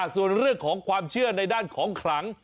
ส่วนเรื่องของความเชื่อในด้านของขลัง